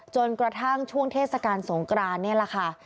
จนกระทั่งช่วงเทศกาลสงกรานนี่แหละค่ะ